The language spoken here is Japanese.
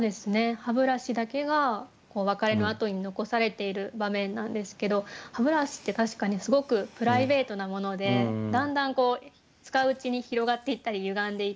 歯ブラシだけが別れのあとに残されている場面なんですけど歯ブラシって確かにすごくプライベートなものでだんだんこう使ううちに広がっていったりゆがんでいったりする。